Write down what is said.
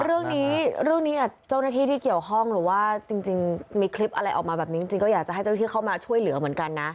เรื่องนี้เรื่องนี้เจ้าหน้าที่ที่เกี่ยวข้องหรือว่าจริงมีคลิปอะไรออกมาแบบนี้จริงก็อยากจะให้เจ้าที่เข้ามาช่วยเหลือเหมือนกันนะ